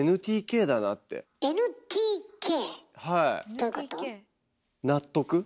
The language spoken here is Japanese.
どういうこと？